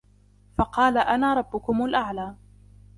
فقال أنا ربكم الأعلى